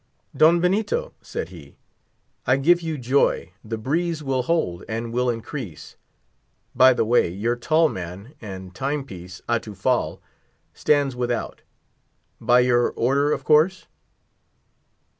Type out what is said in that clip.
"Don Benito," said he, "I give you joy; the breeze will hold, and will increase. By the way, your tall man and time piece, Atufal, stands without. By your order, of course?"